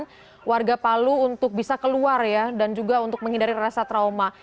bagaimana warga palu untuk bisa keluar ya dan juga untuk menghindari rasa trauma